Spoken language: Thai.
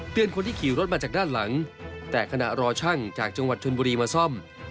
คนที่ขี่รถมาจากด้านหลังแต่ขณะรอช่างจากจังหวัดชนบุรีมาซ่อม